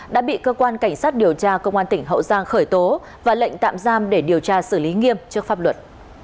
đã bị cơ quan cảnh sát điều tra công an tỉnh hậu giang khởi tố và lệnh tạm giam để điều tra xử lý nghiêm trước pháp luật